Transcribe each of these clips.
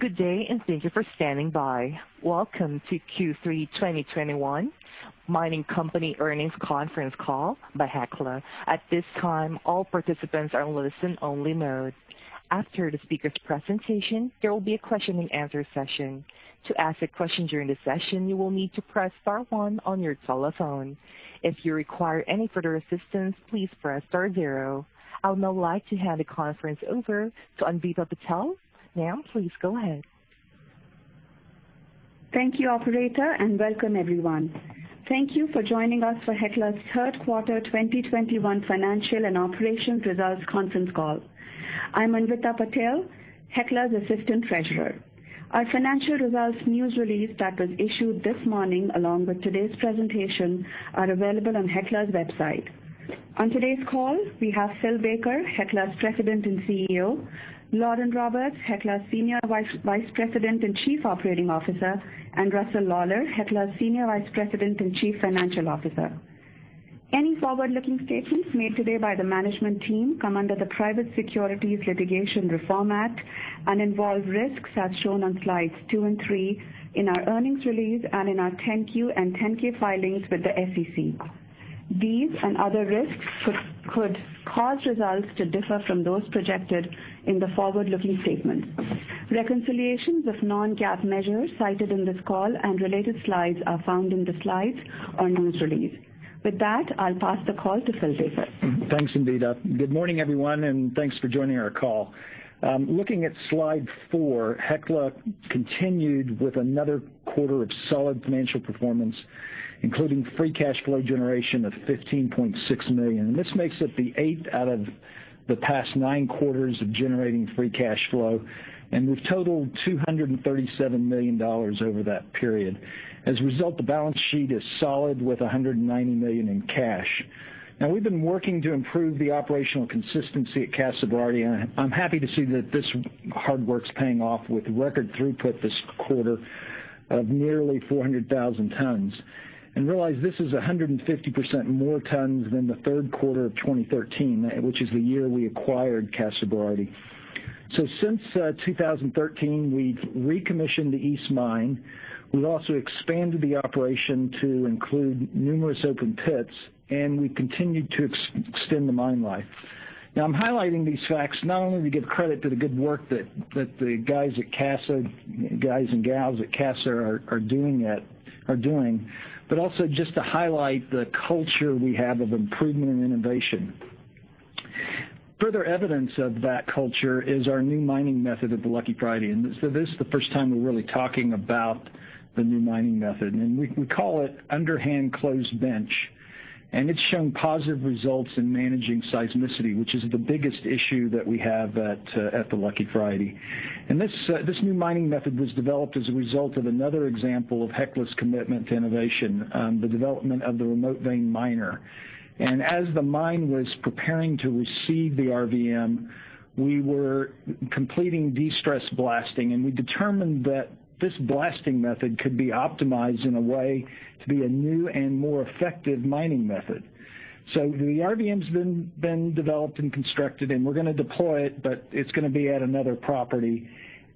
Good day, and thank you for standing by. Welcome to Q3 2021 Mining Company Earnings Conference call by Hecla. At this time, all participants are in listen-only mode. After the speaker's presentation, there will be a question and answer session. To ask a question during the session, you will need to press star one on your telephone. If you require any further assistance, please press star zero. I would now like to hand the conference over to Anvita Patil. Ma'am, please go ahead. Thank you, operator, and welcome, everyone. Thank you for joining us for Hecla's Q3 2021 Financial and Operations Results Conference Call. I'm Anvita Patil, Hecla's Assistant Treasurer. Our financial results news release that was issued this morning, along with today's presentation, are available on Hecla's website. On today's call, we have Phil Baker, Hecla's President and CEO, Lauren Roberts, Hecla's Senior Vice President and Chief Operating Officer, and Russell Lawlar, Hecla's Senior Vice President and Chief Financial Officer. Any forward-looking statements made today by the management team come under the Private Securities Litigation Reform Act and involve risks as shown on slides two and three in our earnings release and in our 10-Q and 10-K filings with the SEC. These and other risks could cause results to differ from those projected in the forward-looking statement. Reconciliations of non-GAAP measures cited in this call and related slides are found in the slides or news release. With that, I'll pass the call to Phil Baker. Thanks, Anvita. Good morning, everyone, and thanks for joining our call. Looking at slide four, Hecla continued with another quarter of solid financial performance, including free cash flow generation of $15.6 million. This makes it the eighth out of the past nine quarters of generating free cash flow. We've totaled $237 million over that period. As a result, the balance sheet is solid with $190 million in cash. Now, we've been working to improve the operational consistency at Casa Berardi, and I'm happy to see that this hard work's paying off with record throughput this quarter of nearly 400,000 tons. Realize this is 150% more tons than the Q3 of 2013, which is the year we acquired Casa Berardi. Since 2013, we've recommissioned the East Mine. We've also expanded the operation to include numerous open pits, and we continued to extend the mine life. Now, I'm highlighting these facts not only to give credit to the good work that the guys and gals at Casa are doing, but also just to highlight the culture we have of improvement and innovation. Further evidence of that culture is our new mining method at the Lucky Friday. This is the first time we're really talking about the new mining method, and we call it underhand closed bench, and it's shown positive results in managing seismicity, which is the biggest issue that we have at the Lucky Friday. This new mining method was developed as a result of another example of Hecla's commitment to innovation, the development of the Remote Vein Miner. As the mine was preparing to receive the RVM, we were completing destress blasting, and we determined that this blasting method could be optimized in a way to be a new and more effective mining method. The RVM has been developed and constructed, and we're gonna deploy it, but it's gonna be at another property.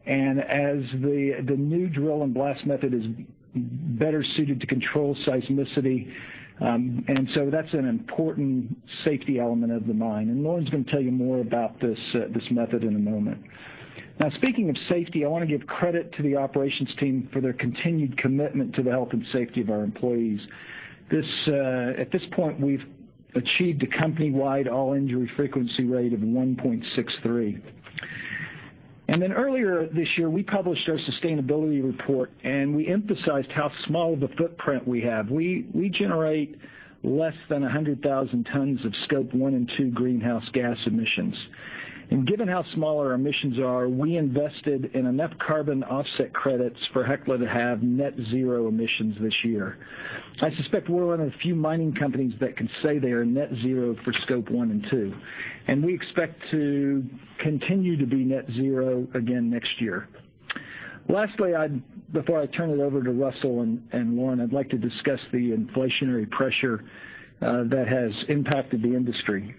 As the new drill and blast method is better suited to control seismicity, and so that's an important safety element of the mine. Lauren's gonna tell you more about this method in a moment. Now, speaking of safety, I wanna give credit to the operations team for their continued commitment to the health and safety of our employees. This, at this point, we've achieved a company-wide all-injury frequency rate of 1.63. Earlier this year, we published our sustainability report, and we emphasized how small of a footprint we have. We generate less than 100,000 tons of Scope 1 and 2 greenhouse gas emissions. Given how small our emissions are, we invested in enough carbon offset credits for Hecla to have net zero emissions this year. I suspect we're one of the few mining companies that can say they are net zero for Scope 1 and 2, and we expect to continue to be net zero again next year. Lastly, before I turn it over to Russell and Lauren, I'd like to discuss the inflationary pressure that has impacted the industry.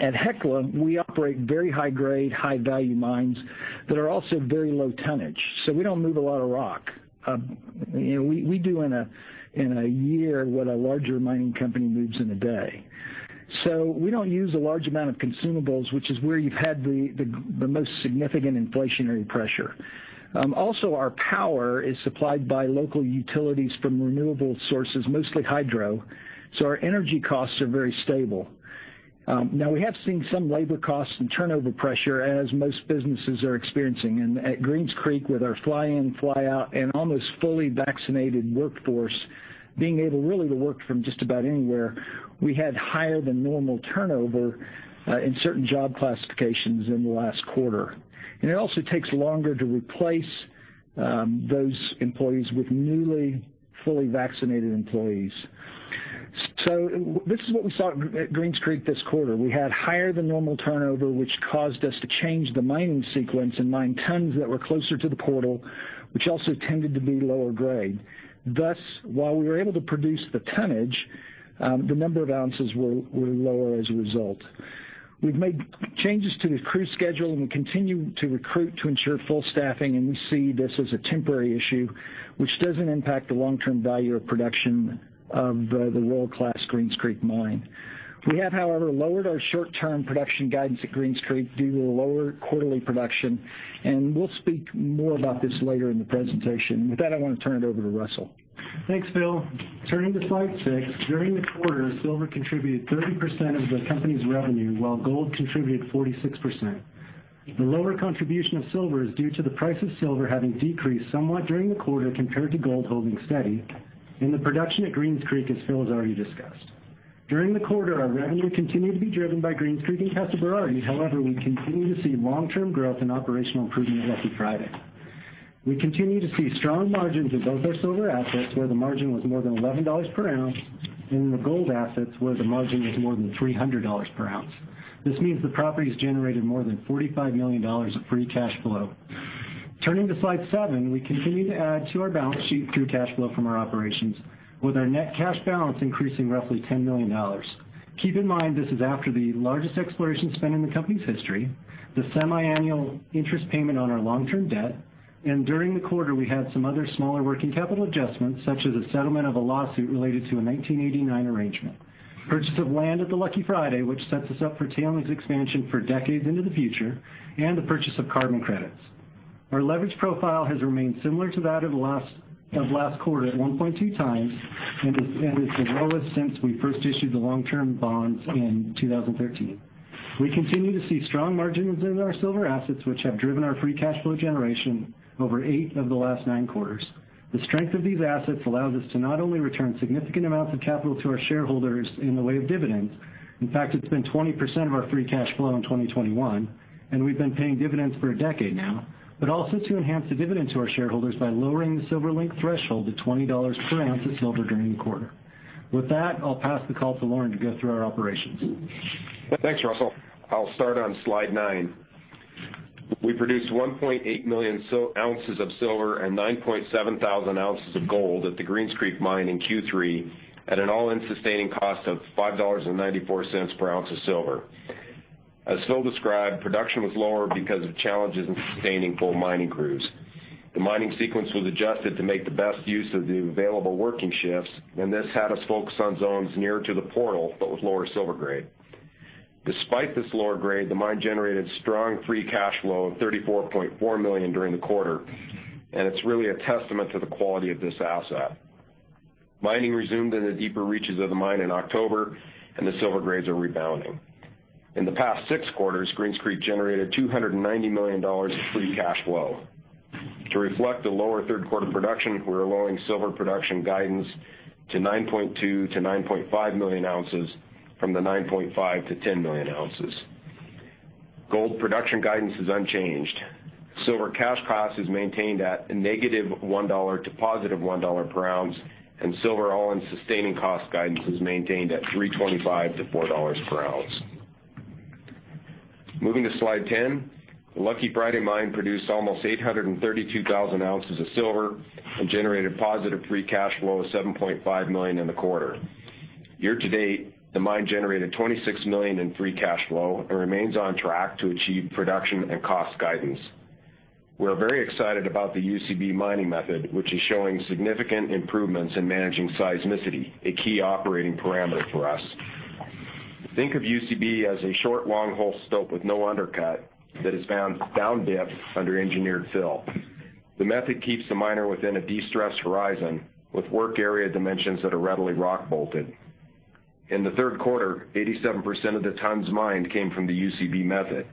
At Hecla, we operate very high grade, high value mines that are also very low tonnage, so we don't move a lot of rock. You know, we do in a year what a larger mining company moves in a day. We don't use a large amount of consumables, which is where you've had the most significant inflationary pressure. Also our power is supplied by local utilities from renewable sources, mostly hydro, so our energy costs are very stable. Now we have seen some labor costs and turnover pressure as most businesses are experiencing. At Greens Creek with our fly-in, fly-out and almost fully vaccinated workforce being able really to work from just about anywhere, we had higher than normal turnover in certain job classifications in the last quarter. It also takes longer to replace those employees with newly fully vaccinated employees. This is what we saw at Greens Creek this quarter. We had higher than normal turnover, which caused us to change the mining sequence and mine tons that were closer to the portal, which also tended to be lower grade. Thus, while we were able to produce the tonnage, the number of oz were lower as a result. We've made changes to the crew schedule, and we continue to recruit to ensure full staffing, and we see this as a temporary issue which doesn't impact the long-term value of production of the world-class Greens Creek mine. We have, however, lowered our short-term production guidance at Greens Creek due to lower quarterly production, and we'll speak more about this later in the presentation. With that, I wanna turn it over to Russell. Thanks, Phil. Turning to slide six. During the quarter, silver contributed 30% of the company's revenue, while gold contributed 46%. The lower contribution of silver is due to the price of silver having decreased somewhat during the quarter compared to gold holding steady and the production at Greens Creek, as Phil has already discussed. During the quarter, our revenue continued to be driven by Greens Creek and Casa Berardi. However, we continue to see long-term growth in operational improvement at Lucky Friday. We continue to see strong margins at both our silver assets, where the margin was more than $11 per oz, and the gold assets, where the margin was more than $300 per oz. This means the properties generated more than $45 million of free cash flow. Turning to slide seven, we continue to add to our balance sheet through cash flow from our operations, with our net cash balance increasing roughly $10 million. Keep in mind, this is after the largest exploration spend in the company's history, the semiannual interest payment on our long-term debt, and during the quarter, we had some other smaller working capital adjustments, such as the settlement of a lawsuit related to a 1989 arrangement, purchase of land at the Lucky Friday, which sets us up for tailings expansion for decades into the future, and the purchase of carbon credits. Our leverage profile has remained similar to that of last quarter at 1.2 times and is the lowest since we first issued the long-term bonds in 2013. We continue to see strong margins in our silver assets, which have driven our free cash flow generation over 8 of the last 9 quarters. The strength of these assets allows us to not only return significant amounts of capital to our shareholders in the way of dividends, in fact, it's been 20% of our free cash flow in 2021, and we've been paying dividends for a decade now, but also to enhance the dividend to our shareholders by lowering the silver link threshold to $20 per oz of silver during the quarter. With that, I'll pass the call to Lauren to go through our operations. Thanks, Russell. I'll start on slide nine. We produced 1.8 million oz of silver and 9.7 thousand oz of gold at the Greens Creek mine in Q3 at an all-in sustaining cost of $5.94 per oz of silver. As Phil described, production was lower because of challenges in sustaining full mining crews. The mining sequence was adjusted to make the best use of the available working shifts, and this had us focus on zones nearer to the portal but with lower silver grade. Despite this lower grade, the mine generated strong free cash flow of $34.4 million during the quarter, and it's really a testament to the quality of this asset. Mining resumed in the deeper reaches of the mine in October, and the silver grades are rebounding. In the past six quarters, Greens Creek generated $290 million of free cash flow. To reflect the lower Q3 production, we're lowering silver production guidance to 9.2-9.5 million oz from the 9.5-10 million oz. Gold production guidance is unchanged. Silver cash cost is maintained at -$1 to +$1 per oz, and silver all-in sustaining cost guidance is maintained at $3.25-$4 per oz. Moving to slide 10. The Lucky Friday Mine produced almost 832,000 oz of silver and generated positive free cash flow of $7.5 million in the quarter. Year to date, the mine generated $26 million in free cash flow and remains on track to achieve production and cost guidance. We're very excited about the UCB mining method, which is showing significant improvements in managing seismicity, a key operating parameter for us. Think of UCB as a short long-hole stope with no undercut that is found down dip under engineered fill. The method keeps the miner within a de-stress horizon with work area dimensions that are readily rock bolted. In the Q3, 87% of the tons mined came from the UCB method.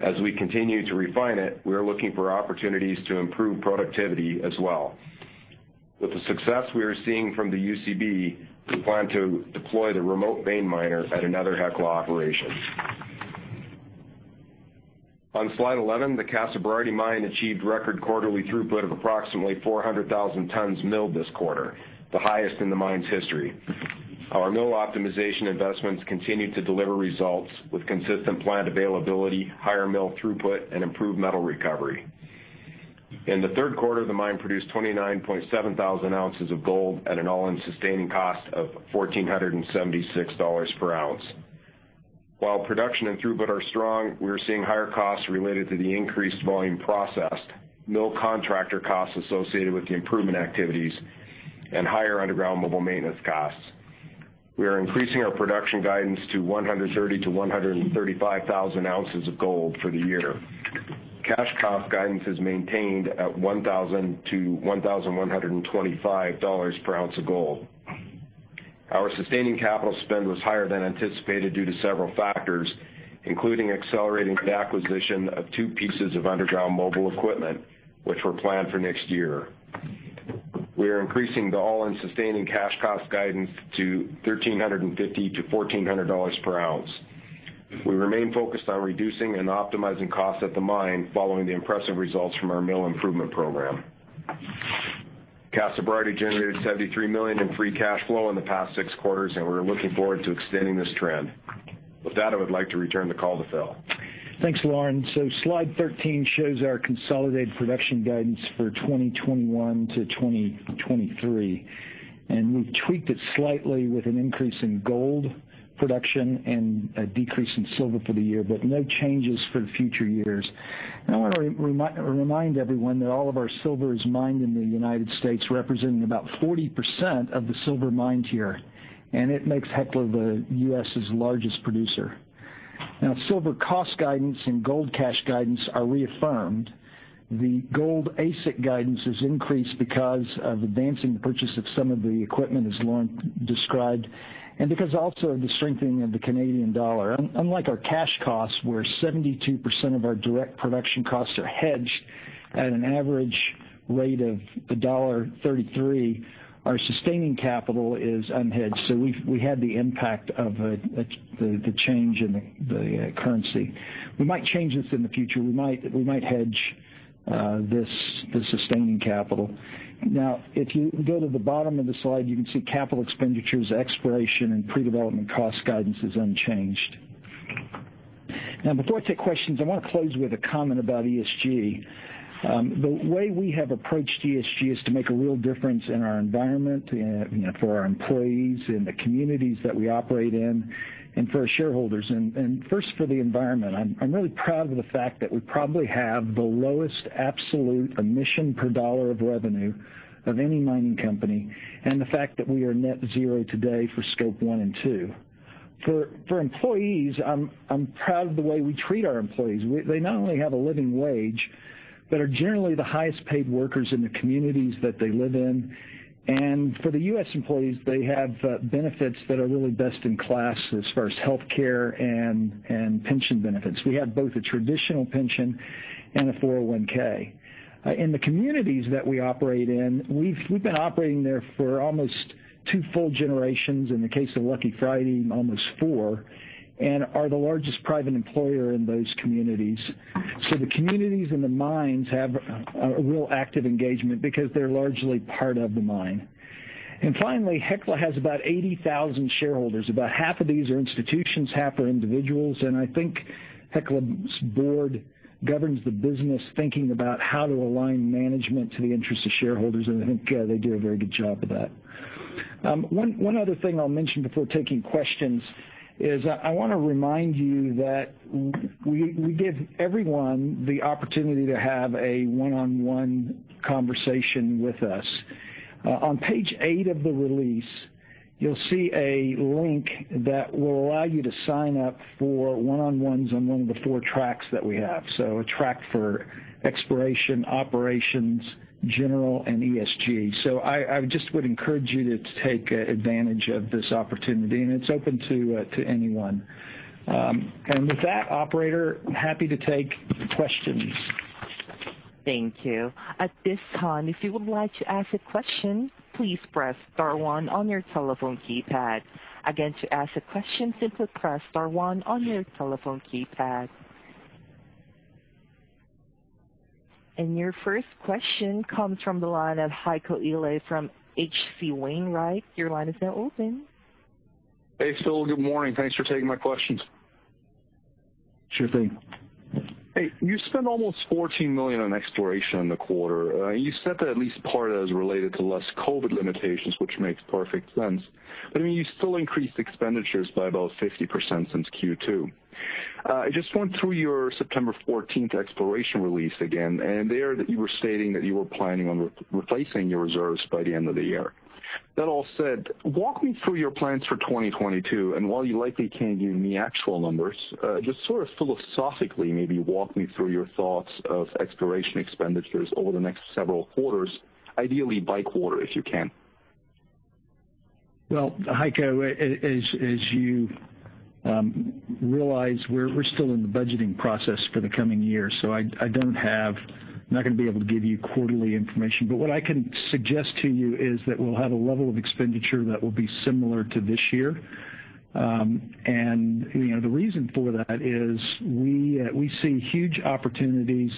As we continue to refine it, we are looking for opportunities to improve productivity as well. With the success we are seeing from the UCB, we plan to deploy the Remote Vein Miner at another Hecla operation. On slide 11, the Casa Berardi Mine achieved record quarterly throughput of approximately 400,000 tons milled this quarter, the highest in the mine's history. Our mill optimization investments continued to deliver results with consistent plant availability, higher mill throughput, and improved metal recovery. In the Q3, the mine produced 29.7 thousand oz of gold at an all-in sustaining cost of $1,476 per oz. While production and throughput are strong, we are seeing higher costs related to the increased volume processed, mill contractor costs associated with the improvement activities, and higher underground mobile maintenance costs. We are increasing our production guidance to 130-135 thousand oz of gold for the year. Cash cost guidance is maintained at $1,000-$1,125 per oz of gold. Our sustaining capital spend was higher than anticipated due to several factors, including accelerating the acquisition of two pieces of underground mobile equipment which were planned for next year. We are increasing the all-in sustaining cash cost guidance to $1,350-$1,400 per oz. We remain focused on reducing and optimizing costs at the mine following the impressive results from our mill improvement program. Casa Berardi generated $73 million in free cash flow in the past six quarters, and we're looking forward to extending this trend. With that, I would like to return the call to Phil. Thanks, Lauren. Slide 13 shows our consolidated production guidance for 2021 to 2023. We've tweaked it slightly with an increase in gold production and a decrease in silver for the year, but no changes for the future years. I wanna remind everyone that all of our silver is mined in the United States, representing about 40% of the silver mined here, and it makes Hecla the U.S.'s largest producer. Now, silver cost guidance and gold cash guidance are reaffirmed. The gold AISC guidance has increased because of advancing the purchase of some of the equipment, as Lauren described, and because also of the strengthening of the Canadian dollar. Unlike our cash costs, where 72% of our direct production costs are hedged at an average rate of $1.33, our sustaining capital is unhedged, so we had the impact of the change in the currency. We might change this in the future. We might hedge the sustaining capital. Now, if you go to the bottom of the slide, you can see capital expenditures, exploration, and pre-development cost guidance is unchanged. Now, before I take questions, I wanna close with a comment about ESG. The way we have approached ESG is to make a real difference in our environment, you know, for our employees and the communities that we operate in and for our shareholders. First, for the environment, I'm really proud of the fact that we probably have the lowest absolute emission per dollar of revenue of any mining company, and the fact that we are net zero today for Scope 1 and 2. For employees, I'm proud of the way we treat our employees. They not only have a living wage, but are generally the highest paid workers in the communities that they live in. For the U.S. employees, they have benefits that are really best in class as far as healthcare and pension benefits. We have both a traditional pension and a 401(k). In the communities that we operate in, we've been operating there for almost two full generations. In the case of Lucky Friday, almost four, and are the largest private employer in those communities. The communities and the mines have a real active engagement because they're largely part of the mine. Finally, Hecla has about 80,000 shareholders. About half of these are institutions, half are individuals. I think Hecla's board governs the business thinking about how to align management to the interests of shareholders, and I think they do a very good job of that. One other thing I'll mention before taking questions is I wanna remind you that we give everyone the opportunity to have a one-on-one conversation with us. On page eight of the release, you'll see a link that will allow you to sign up for one-on-ones on one of the four tracks that we have, so a track for exploration, operations, general, and ESG. I just would encourage you to take advantage of this opportunity, and it's open to anyone. With that, operator, happy to take questions. Thank you. At this time, if you would like to ask a question, please press star one on your telephone keypad. Again, to ask a question, simply press star one on your telephone keypad. Your first question comes from the line of Heiko Ihle from H.C. Wainwright. Your line is now open. Hey, Phil. Good morning. Thanks for taking my questions. Sure thing. Hey. You spent almost $14 million on exploration in the quarter. You said that at least part of that is related to less COVID limitations, which makes perfect sense. I mean, you still increased expenditures by about 50% since Q2. I just went through your September 14th exploration release again, and there you were stating that you were planning on replacing your reserves by the end of the year. That all said, walk me through your plans for 2022, and while you likely can't give me actual numbers, just sort of philosophically maybe walk me through your thoughts of exploration expenditures over the next several quarters, ideally by quarter, if you can. Well, Heiko, as you realize, we're still in the budgeting process for the coming year, so I'm not gonna be able to give you quarterly information. What I can suggest to you is that we'll have a level of expenditure that will be similar to this year. You know, the reason for that is we see huge opportunities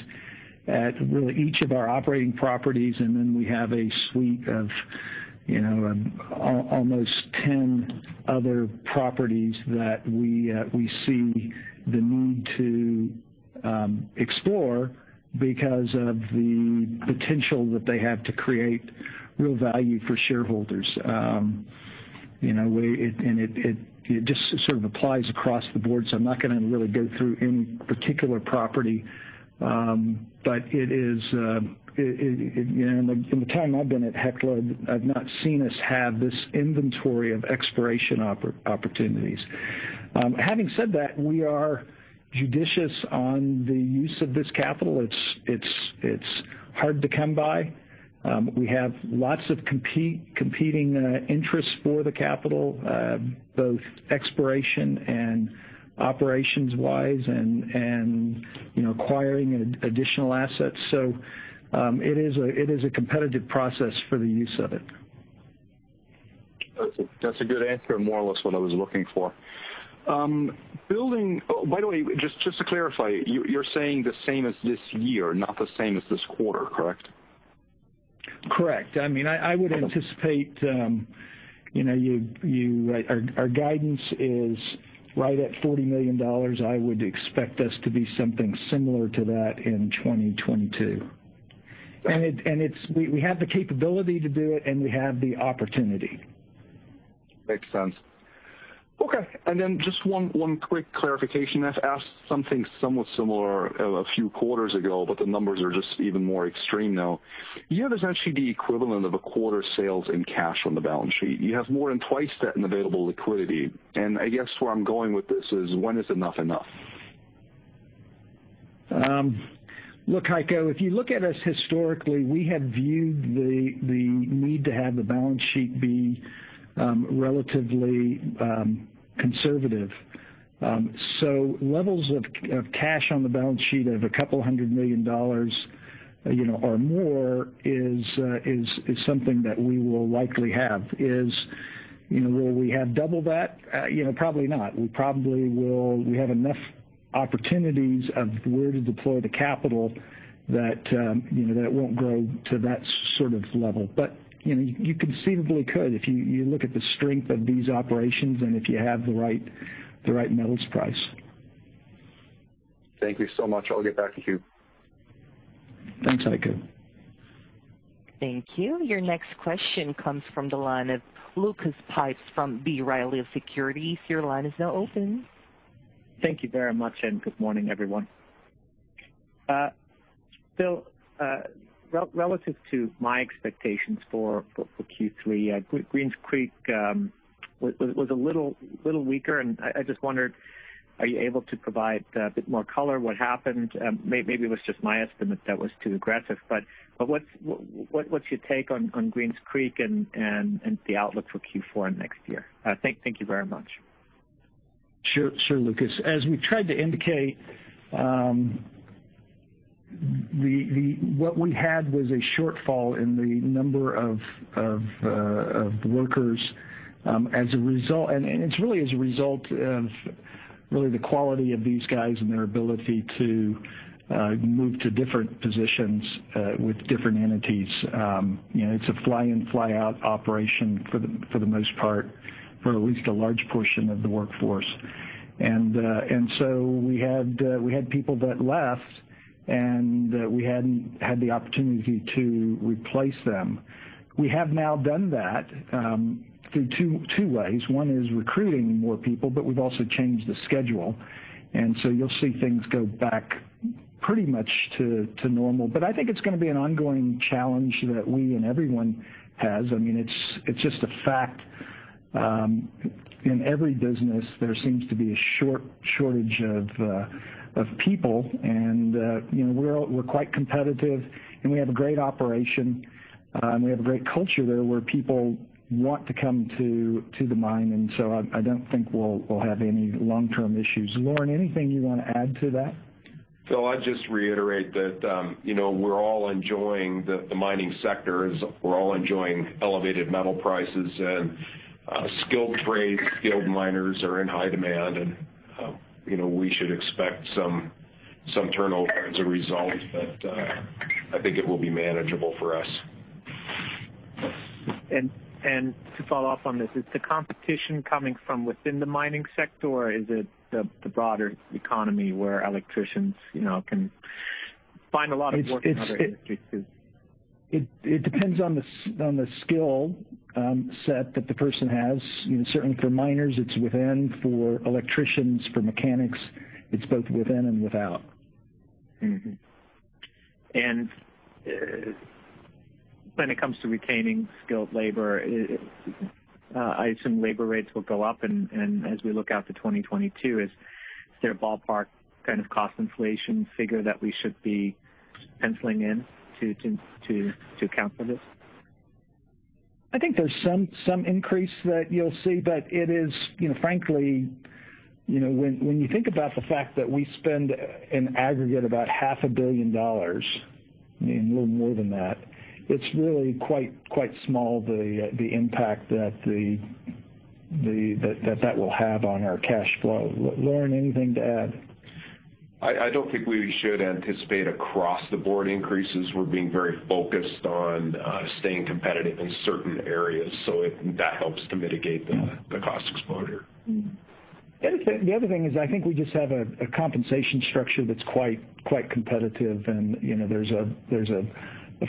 at really each of our operating properties, and then we have a suite of, you know, almost 10 other properties that we see the need to explore because of the potential that they have to create real value for shareholders. You know, it just sort of applies across the board, so I'm not gonna really go through any particular property. You know, in the time I've been at Hecla, I've not seen us have this inventory of exploration opportunities. Having said that, we are judicious on the use of this capital. It's hard to come by. We have lots of competing interests for the capital, both exploration and operations-wise and, you know, acquiring additional assets. It is a competitive process for the use of it. That's a good answer, and more or less what I was looking for. Oh, by the way, just to clarify, you're saying the same as this year, not the same as this quarter, correct? Correct. I mean, I would anticipate. Our guidance is right at $40 million. I would expect us to be something similar to that in 2022. We have the capability to do it, and we have the opportunity. Makes sense. Okay. Just one quick clarification. I've asked something somewhat similar a few quarters ago, but the numbers are just even more extreme now. You have essentially the equivalent of a quarter sales in cash on the balance sheet. You have more than twice that in available liquidity. I guess where I'm going with this is when is enough? Look, Heiko, if you look at us historically, we have viewed the need to have the balance sheet be relatively conservative. Levels of cash on the balance sheet of $200 million, you know, or more is something that we will likely have. You know, will we have double that? You know, probably not. We probably will have enough opportunities where to deploy the capital that, you know, that won't grow to that sort of level. But, you know, you conceivably could if you look at the strength of these operations and if you have the right metals price. Thank you so much. I'll get back to you. Thanks, Heiko. Thank you. Your next question comes from the line of Lucas Pipes from B. Riley Securities. Your line is now open. Thank you very much, and good morning, everyone. Phil, relative to my expectations for Q3, Greens Creek was a little weaker, and I just wondered, are you able to provide a bit more color what happened? Maybe it was just my estimate that was too aggressive. What's your take on Greens Creek and the outlook for Q4 next year? Thank you very much. Sure, sure, Lucas. As we tried to indicate, what we had was a shortfall in the number of workers as a result. It's really as a result of really the quality of these guys and their ability to move to different positions with different entities. You know, it's a fly-in, fly-out operation for the most part, for at least a large portion of the workforce. We had people that left, and we hadn't had the opportunity to replace them. We have now done that through two ways. One is recruiting more people, but we've also changed the schedule. You'll see things go back pretty much to normal. I think it's gonna be an ongoing challenge that we and everyone has. I mean, it's just a fact. In every business there seems to be a shortage of people and you know, we're quite competitive, and we have a great operation. We have a great culture there where people want to come to the mine. I don't think we'll have any long-term issues. Lauren, anything you wanna add to that? I'd just reiterate that, you know, we're all enjoying the mining sector as we're all enjoying elevated metal prices and skilled trade, skilled miners are in high demand and, you know, we should expect some turnover as a result. I think it will be manageable for us. To follow up on this, is the competition coming from within the mining sector, or is it the broader economy where electricians, you know, can find a lot of work in other industries too? It depends on the skill set that the person has. You know, certainly for miners, it's within. For electricians, for mechanics, it's both within and without. When it comes to retaining skilled labor, I assume labor rates will go up and as we look out to 2022, is there a ballpark kind of cost inflation figure that we should be penciling in to account for this? I think there's some increase that you'll see, but it is, you know, frankly, you know, when you think about the fact that we spend in aggregate about half a billion dollars, I mean, a little more than that, it's really quite small, the impact that will have on our cash flow. Lauren, anything to add? I don't think we should anticipate across-the-board increases. We're being very focused on staying competitive in certain areas, so that helps to mitigate the cost exposure. The other thing is I think we just have a compensation structure that's quite competitive and, you know, there's a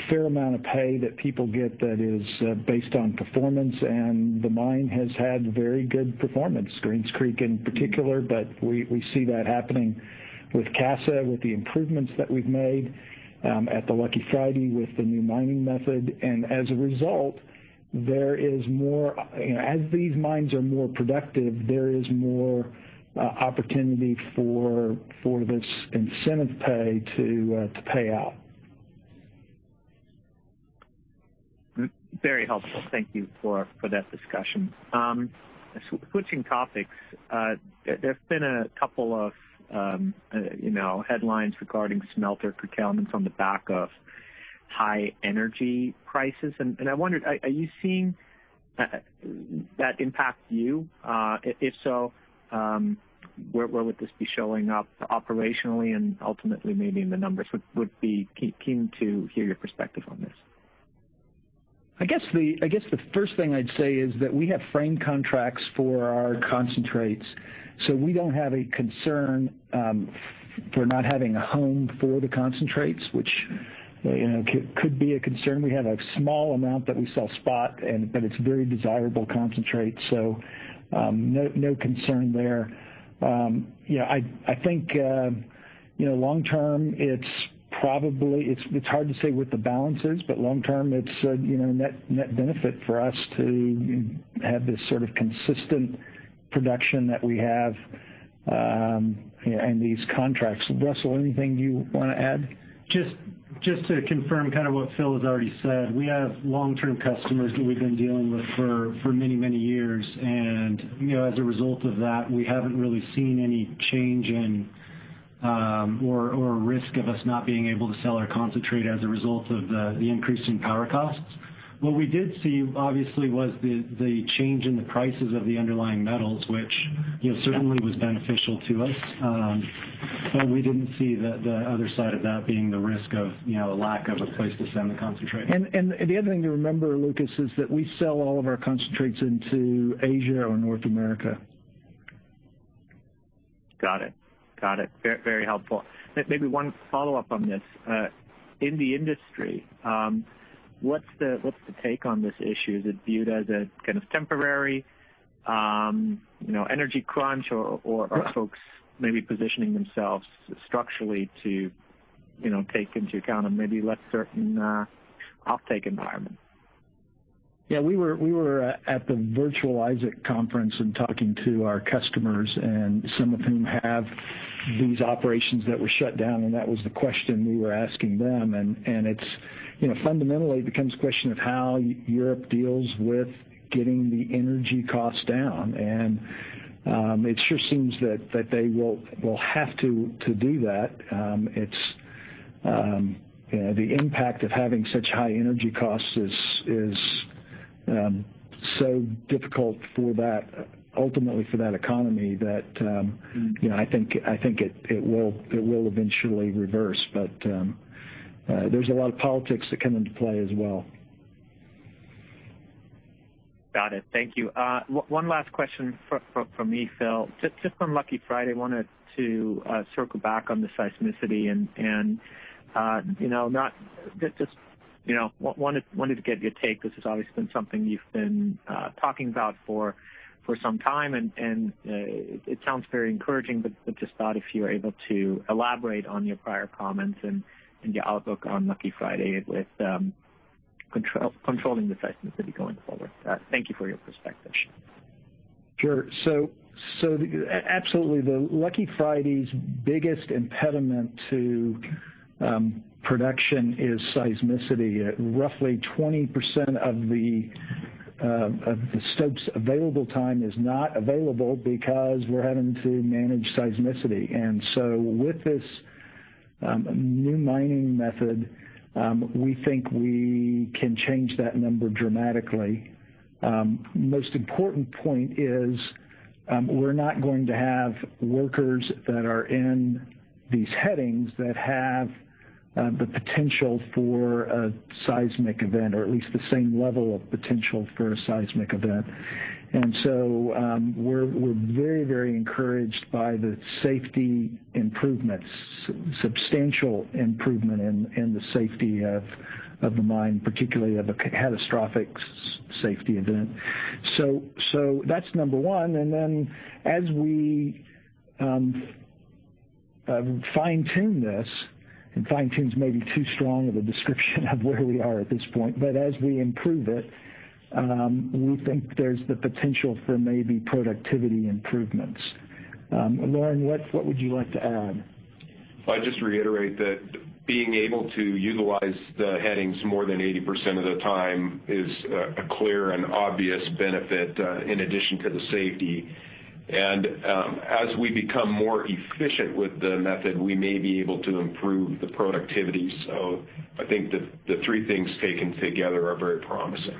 fair amount of pay that people get that is based on performance, and the mine has had very good performance, Greens Creek in particular. We see that happening with Casa, with the improvements that we've made at the Lucky Friday with the new mining method. As a result, there is more. You know, as these mines are more productive, there is more opportunity for this incentive pay to pay out. Very helpful. Thank you for that discussion. Switching topics, there's been a couple of, you know, headlines regarding smelter curtailments on the back of high energy prices. I wondered, are you seeing that impact you? If so, where would this be showing up operationally and ultimately maybe in the numbers, would be keen to hear your perspective on this. I guess the first thing I'd say is that we have frame contracts for our concentrates, so we don't have a concern for not having a home for the concentrates, which you know could be a concern. We have a small amount that we sell spot, but it's very desirable concentrate, so no concern there. I think you know long term it's probably. It's hard to say what the balance is, but long term it's you know net benefit for us to have this sort of consistent production that we have and these contracts. Russell, anything you wanna add? Just to confirm kind of what Phil has already said, we have long-term customers who we've been dealing with for many years. You know, as a result of that, we haven't really seen any change in or risk of us not being able to sell our concentrate as a result of the increase in power costs. What we did see, obviously, was the change in the prices of the underlying metals, which, you know, certainly was beneficial to us. But we didn't see the other side of that being the risk of, you know, a lack of a place to send the concentrate. The other thing to remember, Lucas, is that we sell all of our concentrates into Asia or North America. Got it. Very helpful. Maybe one follow-up on this. In the industry, what's the take on this issue? Is it viewed as a kind of temporary, you know, energy crunch or are folks maybe positioning themselves structurally to, you know, take into account a maybe less certain offtake environment? Yeah, we were at the virtual LBMA conference and talking to our customers and some of whom have these operations that were shut down, and that was the question we were asking them. It's, you know, fundamentally, it becomes a question of how Europe deals with getting the energy costs down. It sure seems that they will have to do that. It's, you know, the impact of having such high energy costs is so difficult for that, ultimately for that economy that, you know, I think it will eventually reverse. There's a lot of politics that come into play as well. Got it. Thank you. One last question from me, Phil. Just on Lucky Friday, wanted to circle back on the seismicity and you know get your take. This has obviously been something you've been talking about for some time, and it sounds very encouraging. Just thought if you're able to elaborate on your prior comments and your outlook on Lucky Friday with controlling the seismicity going forward. Thank you for your perspective. Sure. Absolutely, the Lucky Friday's biggest impediment to production is seismicity. Roughly 20% of the stopes available time is not available because we're having to manage seismicity. With this new mining method, we think we can change that number dramatically. Most important point is, we're not going to have workers that are in these headings that have the potential for a seismic event, or at least the same level of potential for a seismic event. We're very encouraged by the safety improvements, substantial improvement in the safety of the mine, particularly of a catastrophic safety event. That's number one. As we fine-tune this, and fine-tune is maybe too strong of a description of where we are at this point. As we improve it, we think there's the potential for maybe productivity improvements. Lauren, what would you like to add? I'd just reiterate that being able to utilize the headings more than 80% of the time is a clear and obvious benefit, in addition to the safety. As we become more efficient with the method, we may be able to improve the productivity. I think the three things taken together are very promising.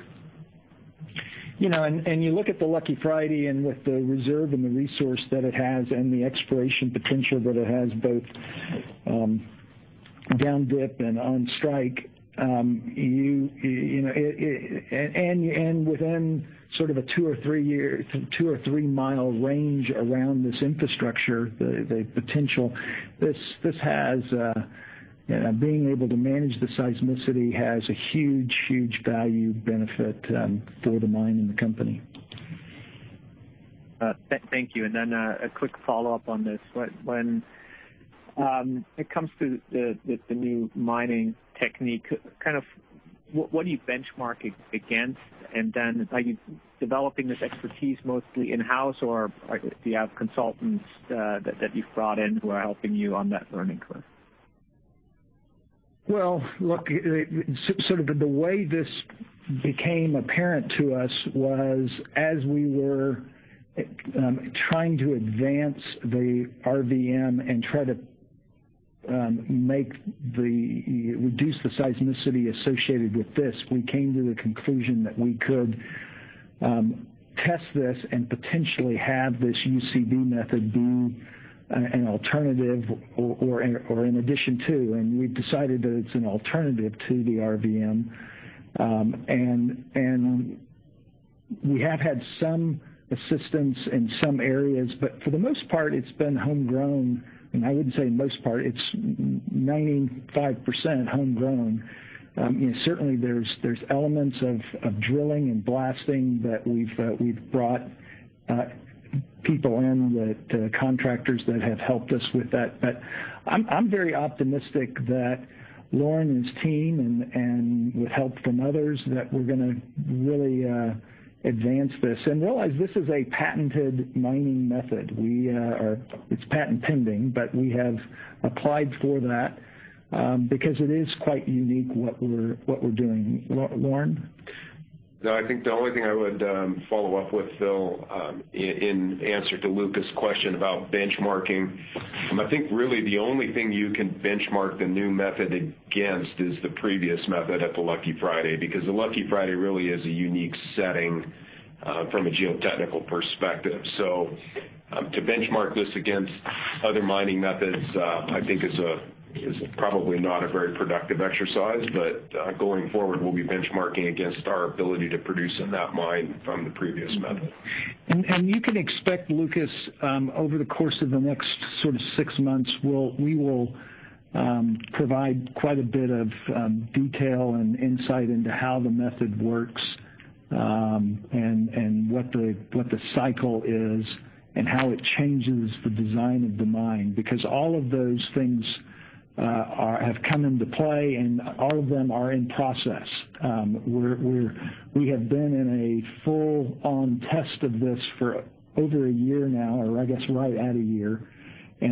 You know, you look at the Lucky Friday and with the reserve and the resource that it has and the exploration potential that it has, both down dip and on strike, you know and within sort of a 2 or 3 year, 2 or 3 mile range around this infrastructure, the potential this has being able to manage the seismicity has a huge value benefit for the mine and the company. Thank you. A quick follow-up on this. When it comes to the new mining technique, kind of what do you benchmark against? Are you developing this expertise mostly in-house, or do you have consultants that you've brought in who are helping you on that learning curve? Well, look, sort of the way this became apparent to us was as we were trying to advance the RVM and reduce the seismicity associated with this, we came to the conclusion that we could test this and potentially have this UCB method be an alternative or in addition to, and we've decided that it's an alternative to the RVM. We have had some assistance in some areas, but for the most part, it's been homegrown. I wouldn't say most part, it's 95% homegrown. You know, certainly there's elements of drilling and blasting that we've brought in contractors that have helped us with that. I'm very optimistic that Lauren and his team and with help from others, that we're gonna really advance this and realize this is a patented mining method. It's patent pending, but we have applied for that, because it is quite unique what we're doing. Lauren? No, I think the only thing I would follow up with, Phil, in answer to Lucas' question about benchmarking, I think really the only thing you can benchmark the new method against is the previous method at the Lucky Friday, because the Lucky Friday really is a unique setting from a geotechnical perspective. To benchmark this against other mining methods, I think is probably not a very productive exercise, but going forward, we'll be benchmarking against our ability to produce in that mine from the previous method. You can expect, Lucas, over the course of the next sort of six months, we will provide quite a bit of detail and insight into how the method works, and what the cycle is and how it changes the design of the mine. Because all of those things have come into play, and all of them are in process. We have been in a full-on test of this for over a year now, or I guess right at a year. As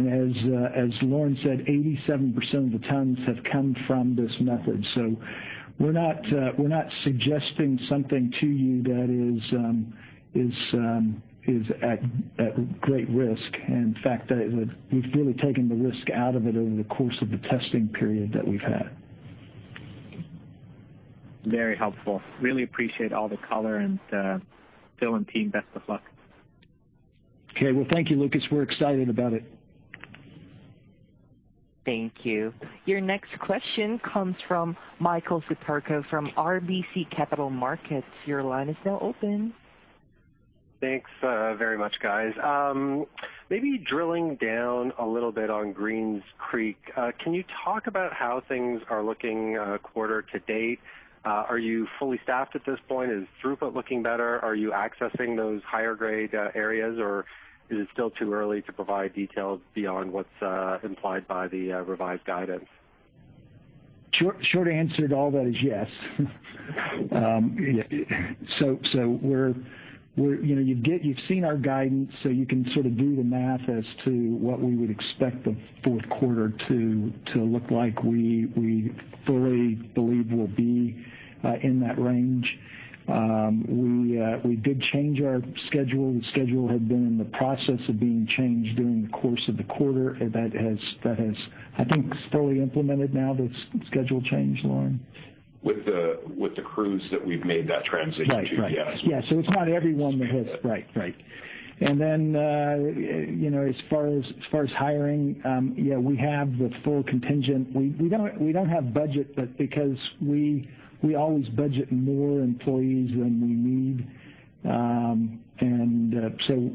Lauren said, 87% of the tons have come from this method. We're not suggesting something to you that is at great risk. In fact, we've really taken the risk out of it over the course of the testing period that we've had. Very helpful. Really appreciate all the color. Phil and team, best of luck. Okay. Well, thank you, Lucas. We're excited about it. Thank you. Your next question comes from Michael Siperco from RBC Capital Markets. Your line is now open. Thanks, very much, guys. Maybe drilling down a little bit on Greens Creek, can you talk about how things are looking, quarter to date? Are you fully staffed at this point? Is throughput looking better? Are you accessing those higher grade areas, or is it still too early to provide details beyond what's implied by the revised guidance? Short answer to all that is yes. We're, you know, you get, you've seen our guidance, so you can sort of do the math as to what we would expect the Q4 to look like. We fully believe we'll be in that range. We did change our schedule. The schedule had been in the process of being changed during the course of the quarter. That has, I think, fully implemented now, the schedule change, Lauren? With the crews that we've made that transition to, yes. Right. Yeah. It's not everyone that has. Right. You know, as far as hiring, yeah, we have the full contingent. We don't have budget, but because we always budget more employees than we need.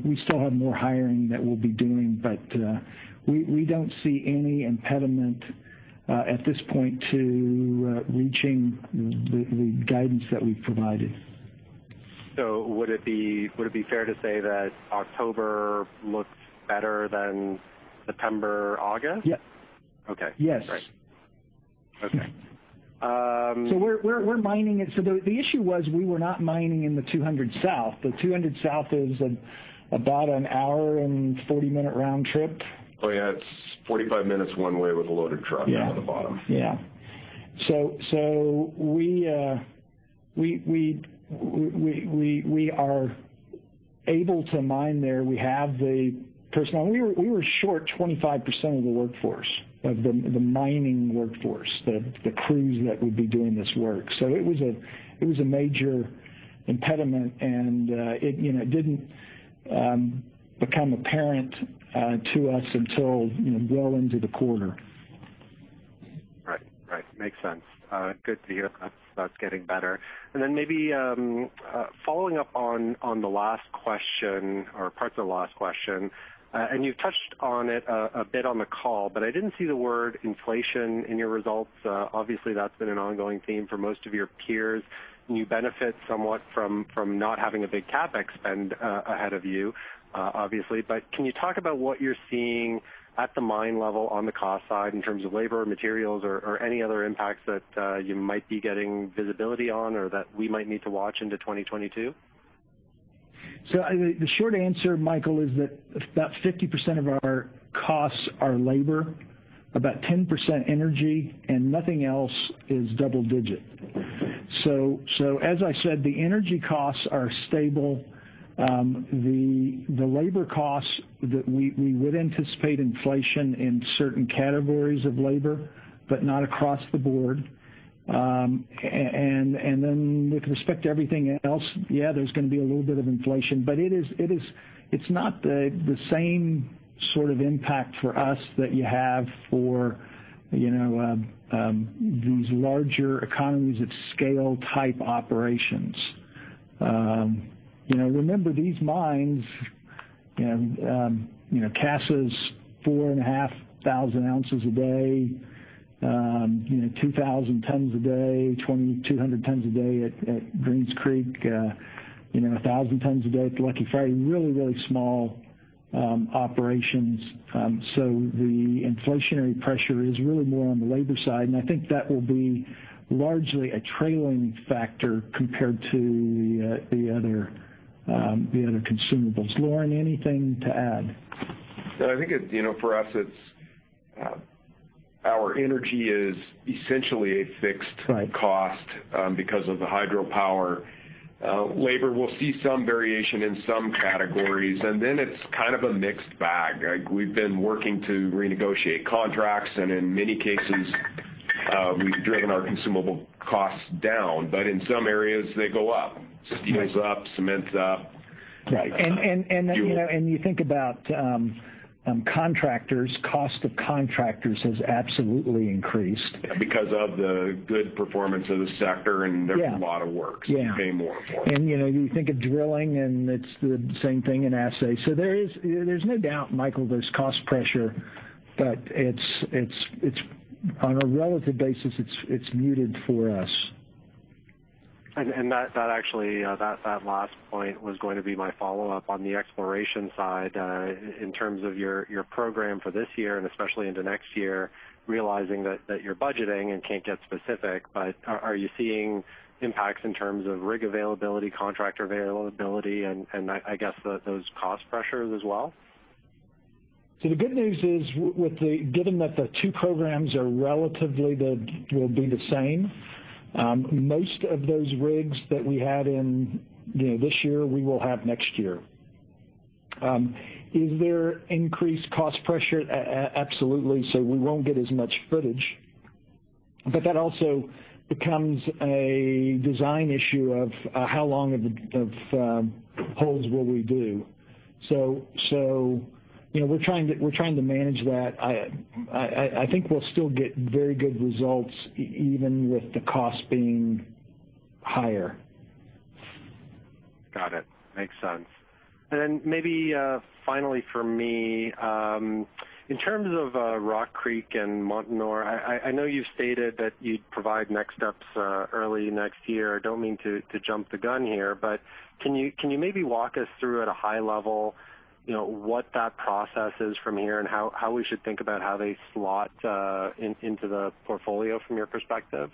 We still have more hiring that we'll be doing, but we don't see any impediment at this point to reaching the guidance that we've provided. Would it be fair to say that October looks better than September, August? Yep. Okay. Yes. Great. Okay. We're mining it. The issue was we were not mining in the 200 South. The 200 South is about a 1 hour and 40 minute round trip. Oh, yeah, it's 45 minutes one way with a loaded truck. Yeah down at the bottom. We are able to mine there. We have the personnel. We were short 25% of the workforce, of the mining workforce, the crews that would be doing this work. It was a major impediment, and it you know didn't become apparent to us until you know well into the quarter. Right. Makes sense. Good to hear that that's getting better. Maybe following up on the last question or parts of the last question, and you've touched on it a bit on the call, but I didn't see the word inflation in your results. Obviously, that's been an ongoing theme for most of your peers. You benefit somewhat from not having a big CapEx spend ahead of you, obviously. Can you talk about what you're seeing at the mine level on the cost side in terms of labor, materials or any other impacts that you might be getting visibility on or that we might need to watch into 2022? The short answer, Michael, is that about 50% of our costs are labor, about 10% energy, and nothing else is double digit. As I said, the energy costs are stable. The labor costs that we would anticipate inflation in certain categories of labor, but not across the board. And then with respect to everything else, yeah, there's gonna be a little bit of inflation, but it is. It's not the same sort of impact for us that you have for, you know, these larger economies of scale type operations. You know, remember these mines, you know, Casa's 4,500 oz a day, you know, 2,000 tons a day, 2,200 tons a day at Greens Creek, you know, 1,000 tons a day at Lucky Friday. Really, really small operations. The inflationary pressure is really more on the labor side, and I think that will be largely a trailing factor compared to the other consumables. Lauren, anything to add? No, I think it, you know, for us it's our energy is essentially a fixed- Right AISC, because of the hydropower. Labor, we'll see some variation in some categories, and then it's kind of a mixed bag. Like, we've been working to renegotiate contracts, and in many cases, we've driven our consumable costs down, but in some areas they go up. Right. Steel's up, cement's up. Right. Fuel. You know, and you think about contractors, cost of contractors has absolutely increased. Yeah, because of the good performance of the sector. Yeah There's a lot of work. Yeah. You pay more for it. You know, you think of drilling and it's the same thing in assay. There is. You know, there's no doubt, Michael, there's cost pressure, but it's on a relative basis, it's muted for us. That actually that last point was going to be my follow-up. On the exploration side, in terms of your program for this year and especially into next year, realizing that you're budgeting and can't get specific, but are you seeing impacts in terms of rig availability, contractor availability, and I guess those cost pressures as well? The good news is with the given that the two programs are relatively the same, most of those rigs that we had in, you know, this year, we will have next year. Is there increased cost pressure? Absolutely. We won't get as much footage, but that also becomes a design issue of how long of holes will we do. You know, we're trying to manage that. I think we'll still get very good results even with the cost being higher. Got it. Makes sense. Then maybe finally for me in terms of Rock Creek and Montanore, I know you've stated that you'd provide next steps early next year. I don't mean to jump the gun here, but can you maybe walk us through at a high level, you know, what that process is from here and how we should think about how they slot into the portfolio from your perspective?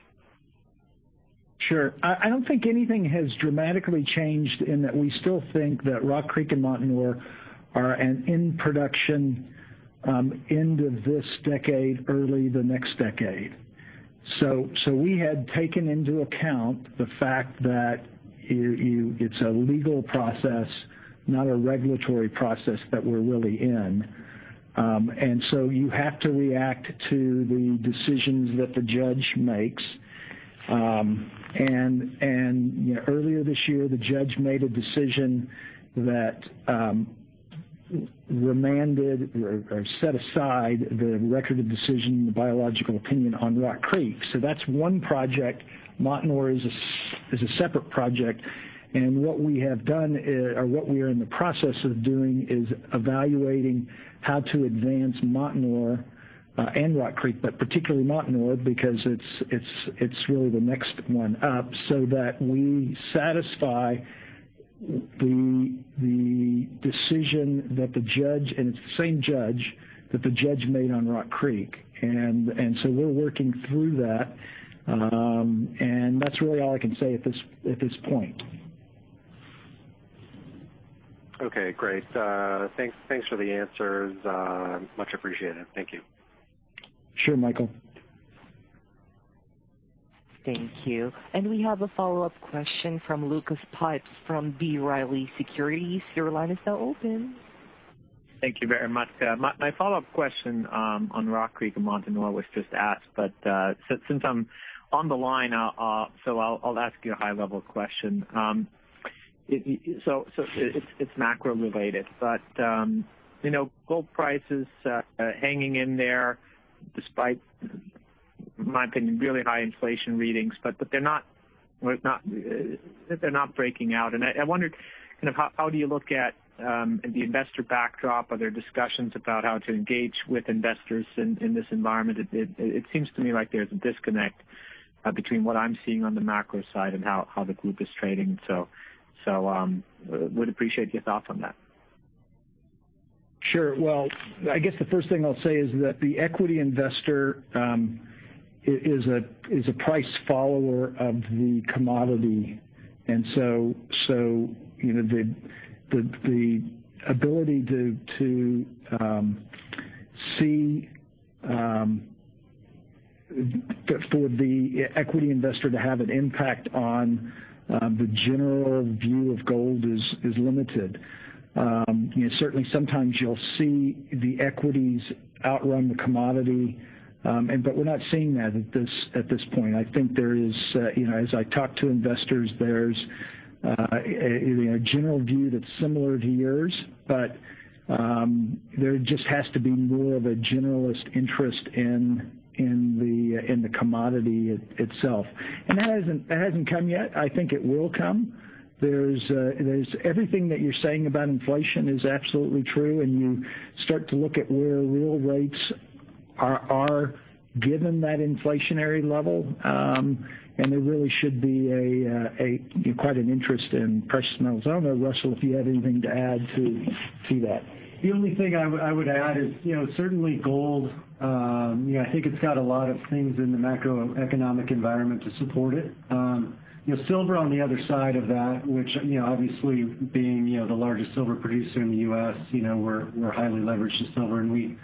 Sure. I don't think anything has dramatically changed in that we still think that Rock Creek and Montanore are in production end of this decade, early in the next decade. We had taken into account the fact that it's a legal process, not a regulatory process that we're really in. You have to react to the decisions that the judge makes. You know, earlier this year, the judge made a decision that remanded or set aside the Record of Decision, the biological opinion on Rock Creek. That's one project. Montanore is a separate project. What we have done, or what we are in the process of doing is evaluating how to advance Montanore and Rock Creek, but particularly Montanore because it's really the next one up, so that we satisfy the decision that the judge, and it's the same judge, that the judge made on Rock Creek. We're working through that, and that's really all I can say at this point. Okay, great. Thanks for the answers. Much appreciated. Thank you. Sure, Michael. Thank you. We have a follow-up question from Lucas Pipes from B. Riley Securities. Your line is now open. Thank you very much. My follow-up question on Rock Creek and Montanore was just asked, but since I'm on the line, I'll ask you a high level question. So it's macro related, but you know, gold prices hanging in there despite, in my opinion, really high inflation readings, but they're not, well, it's not, they're not breaking out. I wondered kind of how do you look at the investor backdrop? Are there discussions about how to engage with investors in this environment? It seems to me like there's a disconnect between what I'm seeing on the macro side and how the group is trading. Would appreciate your thoughts on that. Sure. Well, I guess the first thing I'll say is that the equity investor is a price follower of the commodity. For the equity investor to have an impact on the general view of gold is limited. You know, certainly sometimes you'll see the equities outrun the commodity, but we're not seeing that at this point. I think there is you know as I talk to investors there's you know a general view that's similar to yours, but there just has to be more of a generalist interest in the commodity itself. That hasn't come yet. I think it will come. There's everything that you're saying about inflation is absolutely true, and you start to look at where real rates are given that inflationary level. There really should be quite an interest in precious metals. I don't know, Russell, if you have anything to add to that. The only thing I would add is, you know, certainly gold, you know, I think it's got a lot of things in the macroeconomic environment to support it. You know, silver on the other side of that, which, you know, obviously being, you know, the largest silver producer in the U.S., you know, we're highly leveraged in silver. And we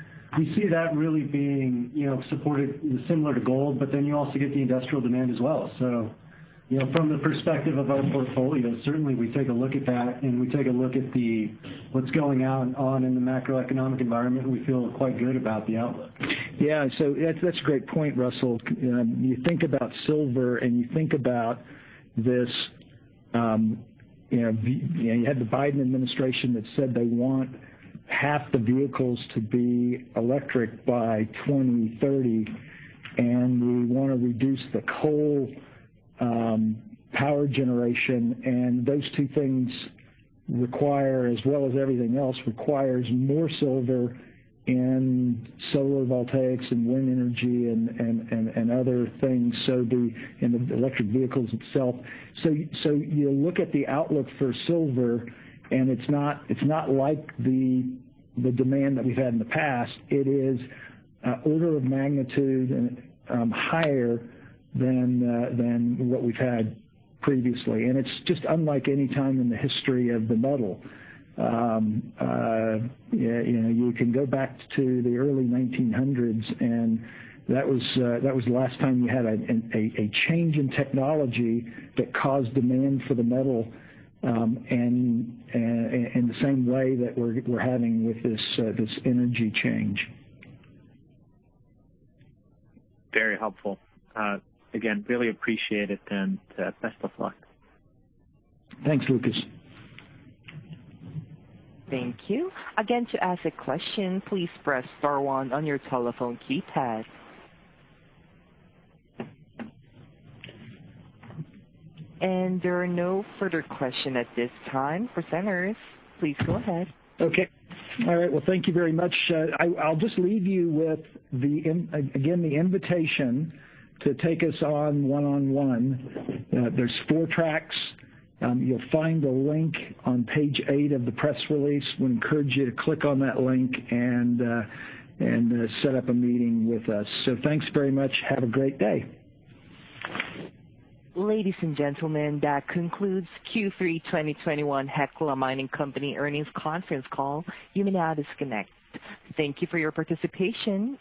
see that really being, you know, supported similar to gold, but then you also get the industrial demand as well. You know, from the perspective of our portfolio, certainly we take a look at that, and we take a look at what's going on in the macroeconomic environment, and we feel quite good about the outlook. Yeah. That's a great point, Russell. You think about silver, and you think about this, you know, you had the Biden administration that said they want half the vehicles to be electric by 2030, and we wanna reduce the coal power generation. Those two things require, as well as everything else, requires more silver and solar photovoltaics and wind energy and other things, so do, and the electric vehicles itself. You look at the outlook for silver, and it's not like the demand that we've had in the past. It is order of magnitude higher than what we've had previously. It's just unlike any time in the history of the metal. You know, you can go back to the early 1900s, and that was the last time you had a change in technology that caused demand for the metal, and in the same way that we're having with this energy change. Very helpful. Again, really appreciate it, and best of luck. Thanks, Lucas. Thank you. Again, to ask a question, please press star one on your telephone keypad. And there are no further question at this time. Presenters, please go ahead. Okay. All right. Well, thank you very much. I'll just leave you with the invitation to take us on one-on-one. There's four tracks. You'll find the link on page eight of the press release. We encourage you to click on that link and set up a meeting with us. Thanks very much. Have a great day. Ladies and gentlemen, that Concludes Q3 2021 Hecla Mining Company Earnings Conference Call. You may now disconnect. Thank you for your participation.